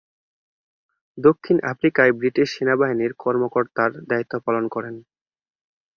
দক্ষিণ আফ্রিকায় ব্রিটিশ সেনাবাহিনীর কর্মকর্তার দায়িত্ব পালন করেন।